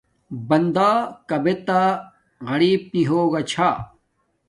بندہ کابے تہ غریپ نی ہوگا چھا